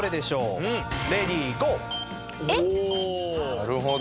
なるほど。